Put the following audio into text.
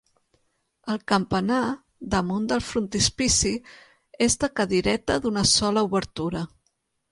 El campanar, damunt del frontispici, és de cadireta d'una sola obertura.